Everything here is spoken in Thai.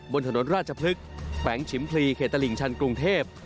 บนถนนราชพฤกษ์แขวงชิมพลีเขตตลิ่งชันกรุงเทพ